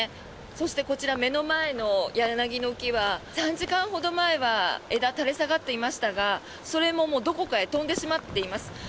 そして、こちら目の前の柳の木は３時間ほど前は枝が垂れ下がっていましたがそれもどこかへ飛んでしまっています。